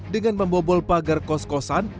dengan membobol pagar kos kosan